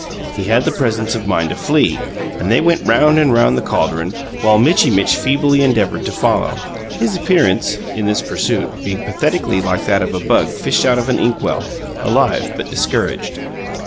He had the presence of mind to flee, and they went round and round the caldron, while Mitchy Mitch feebly endeavoured to follow his appearance, in this pursuit, being pathetically like that of a bug fished out of an ink well, alive but discouraged.